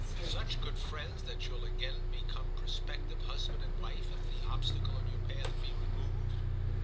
"Such good friends that you'll again become prospective husband and wife if the obstacle in your path be removed?"